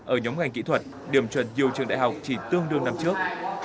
ở nhóm ngành kỹ thuật điểm chuẩn nhiều trường đại học chỉ tương đương năm trước